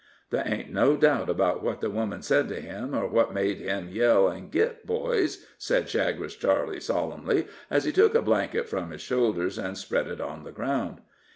"There ain't no doubt 'bout what the woman said to him, or what made him yell an' git, boys," said Chagres Charley, solemnly, as he took a blanket from his shoulders and spread it on the ground.